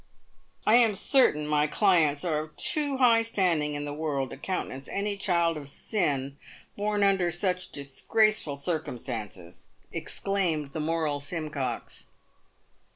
y*T " I am 'certain my clients are of too high standing in the world to countenance any child of sin born under such disgraceful circum stances !" exclaimed the moral Simcox.